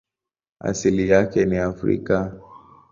Asili yake ni Afrika.